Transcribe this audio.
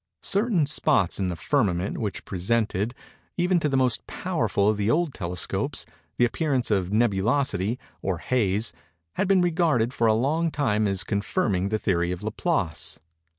Certain spots in the firmament which presented, even to the most powerful of the old telescopes, the appearance of nebulosity, or haze, had been regarded for a long time as confirming the theory of Laplace.